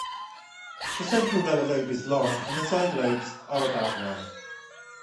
The central lower lobe is long and the side lobes are about long.